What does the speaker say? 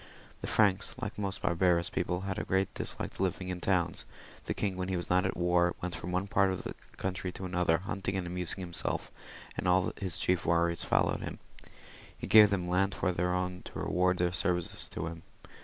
The Franks, like most barbarous people, had a great dislike to living in towns ; the king, when he was not at war, went from one part of the country to another, huntiag and amusing himself, and his chief warriors followed him. He gave them land for their own to reward their services to him.